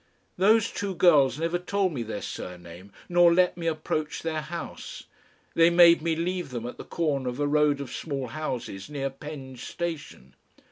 Those two girls never told me their surname nor let me approach their house. They made me leave them at the corner of a road of small houses near Penge Station.